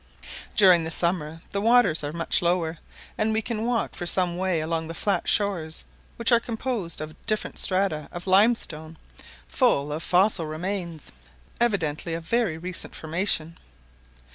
During the summer the waters are much lower, and we can walk for some way along the flat shores, which are composed of different strata of limestone, full of fossil remains, evidently of very recent formation.